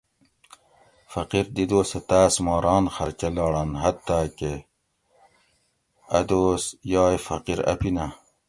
فقیر دی دوسہ تاۤس ما ران خرچہ لاڑان حتّٰی کہ !ی دوس یائ فقیر اپینہۤ